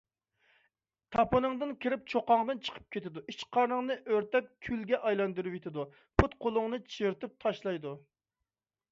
تاپىنىڭدىن كىرىپ چوققاڭدىن چىقىپ كېتىدۇ. ئىچ - قارنىڭنى ئۆرتەپ كۈلگە ئايلاندۇرۇۋېتىدۇ. پۇت - قولۇڭنى چىرىتىپ تاشلايدۇ.